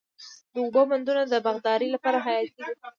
د اوبو بندونه د باغدارۍ لپاره حیاتي دي.